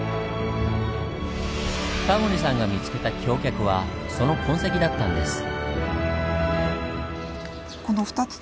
タモリさんが見つけた橋脚はその痕跡だったんです。